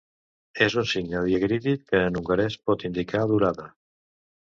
És un signe diacrític que en hongarès pot indicar durada.